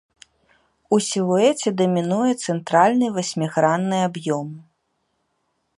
У сілуэце дамінуе цэнтральны васьмігранны аб'ём.